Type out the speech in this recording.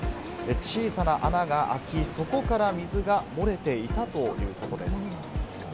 小さな穴が開き、そこから水が漏れていたということです。